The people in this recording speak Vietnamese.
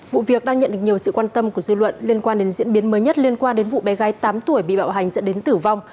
vụ việc đang nhận được nhiều sự quan tâm của dư luận liên quan đến diễn biến mới nhất liên quan đến vụ bé gái tám tuổi bị bạo hành dẫn đến tử vong